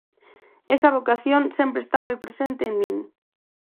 Esa vocación sempre está moi presente en min.